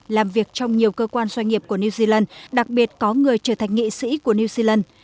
làm việc trong nhiều cơ quan doanh nghiệp của new zealand đặc biệt có người trở thành nghị sĩ của new zealand